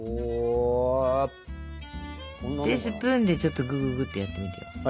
でスプーンでちょっとぐぐぐってやってみてよ。